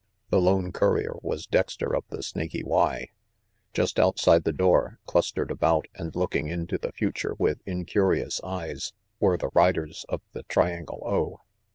The lone courier was Dexter of the Snaky Y. Just outside the door, clustered about, and look ing into the future with incurious eyes, were the riders of the Triangle O.